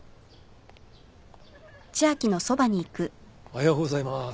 おはようございます。